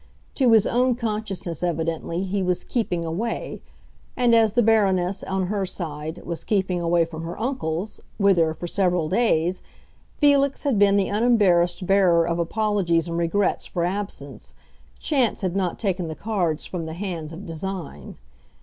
To his own consciousness, evidently he was "keeping away;" and as the Baroness, on her side, was keeping away from her uncle's, whither, for several days, Felix had been the unembarrassed bearer of apologies and regrets for absence, chance had not taken the cards from the hands of design.